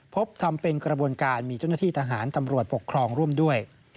พบทำเป็นกระบวนการมีเจ้าหน้าที่ทหารตำรวจปกครองร่วมด้วย